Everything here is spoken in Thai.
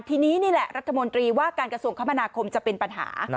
ทีนี้นี่แหละรัฐมนตรีว่าการกระทรวงคมนาคมจะเป็นปัญหา